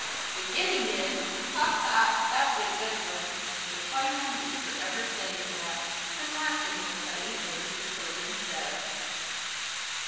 "The Guinea hen! Ha, ha! That's a good one!" The Toyman was forever saying that and laughing at the funny things the children said.